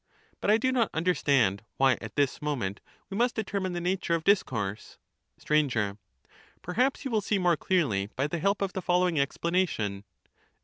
But I do not understand why at this have no moment we must determine the nature of discourse. phOosop y. Sir, Perhaps you will see more clearly by the help of the following explanation.